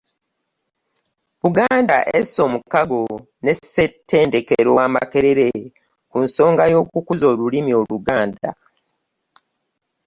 Buganda esse omukago ne ssettendekero wa Makerere ku nsonga y'okukuza olulimi oluganda.